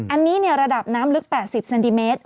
อันนี้ระดับน้ำลึก๘๐เซนติเมตร